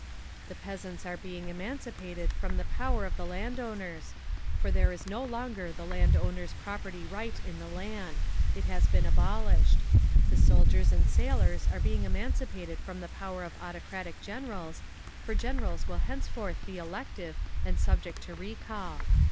The peasants are being emancipated from the power of the landowners, for there is no longer the landowner's property right in the land—it has been abolished. The soldiers and sailors are being emancipated from the power of autocratic generals, for generals will henceforth be elective and subject to recall.